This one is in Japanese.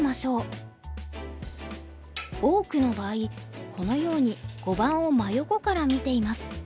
多くの場合このように碁盤を真横から見ています。